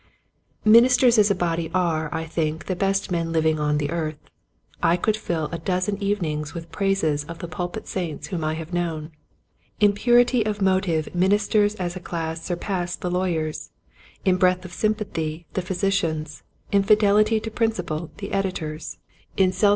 Ministers as a body are I think the best men living on the earth. I could fill a dozen evenings with praises of the pulpit saints whom I have known. In purity of motive ministers as a class surpass the lawyers, in breadth of sympathy the physi cians, in fidelity to principle the editors, in Wherefore All This.